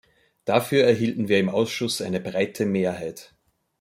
Dafür erhielten wir im Ausschuss eine breite Mehrheit.